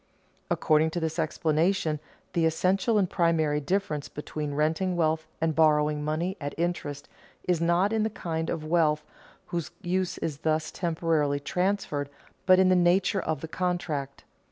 According to this explanation the essential and primary difference between renting wealth and borrowing money at interest is not in the kind of wealth whose use is thus temporarily transferred, but in the nature of the contract.